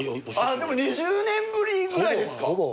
でも２０年ぶりぐらいですか。